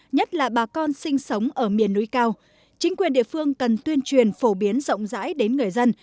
nhất là bà con sinh sống ở miền núi cao chính quyền địa phương cần tuyên truyền phổ biến rộng rãi đến người dân